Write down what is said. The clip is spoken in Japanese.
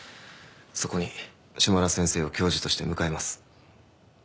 そこに下田先生を教授として迎えます。